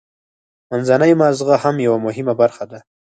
منځنی مغزه هم یوه مهمه برخه ده